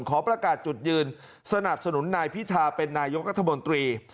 ขอประกาศจุดยืนสนับสนุนนายพิธาเป็นนายกรัฐมนตรี